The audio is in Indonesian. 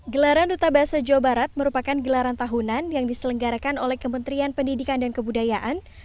gelaran duta bahasa jawa barat merupakan gelaran tahunan yang diselenggarakan oleh kementerian pendidikan dan kebudayaan